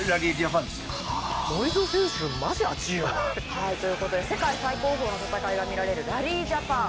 はいという事で世界最高峰の戦いが見られるラリージャパン。